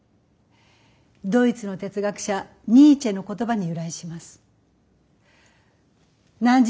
ドイツの哲学者ニーチェの言葉に由来します。